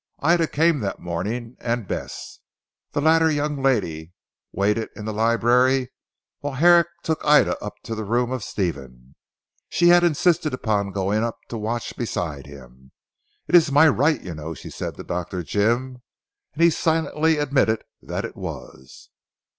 Ida came that morning, and Bess. This latter young lady waited in the library while Herrick took up Ida to the room of Stephen. She had insisted upon going up to watch beside him. "It is my right you know," she said to Dr. Jim, and he silently admitted that it was.